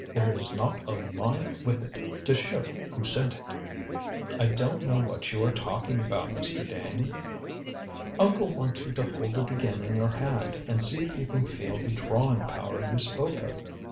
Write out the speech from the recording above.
There is not a line with it to show who sent it." "I don't know what you are talking about, Mr. Dane." "Uncle wants you to hold it again in your hand and see if you can feel the drawing power you spoke of.